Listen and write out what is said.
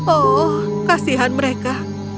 oh kasihan mereka